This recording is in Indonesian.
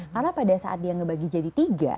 karena pada saat dia ngebagi jadi tiga